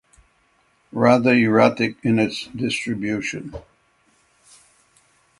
Rather erratic in its distribution.